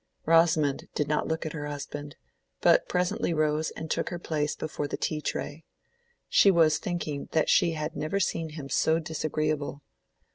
Rosamond did not look at her husband, but presently rose and took her place before the tea tray. She was thinking that she had never seen him so disagreeable.